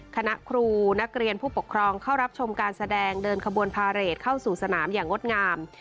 คณะครูนักเรียนผู้ปกครองเข้ารับชมการแสดงเดินขบวนพาเรทเข้าสู่สนามอย่างงดงาม